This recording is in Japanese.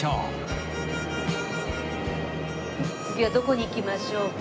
次はどこに行きましょうか？